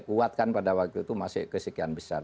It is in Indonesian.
kuatkan pada waktu itu masih kesekian besar